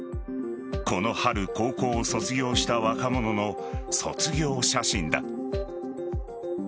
この春、高校を卒業した若者の卒業写真だ。